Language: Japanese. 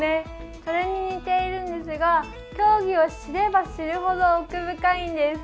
それに似ているんですが競技を知れば知るほど奥深いんです。